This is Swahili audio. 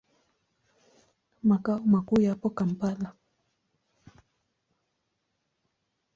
Makao makuu yapo Kampala.